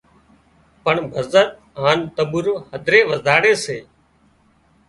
پڻ ڀزن هانَ تمٻورو هڌري وزاڙي سي